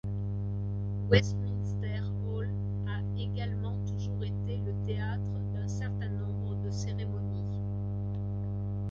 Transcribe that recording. Westminster Hall a également toujours été le théâtre d’un certain nombre de cérémonies.